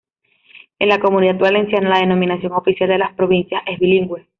En la Comunidad Valenciana la denominación oficial de las provincias es bilingüe.